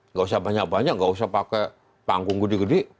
nggak usah banyak banyak nggak usah pakai panggung gede gede